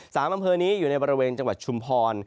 อำเภอนี้อยู่ในบริเวณจังหวัดชุมพร